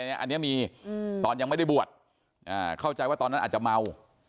อันนี้มีตอนยังไม่ได้บวชเข้าใจว่าตอนนั้นอาจจะเมา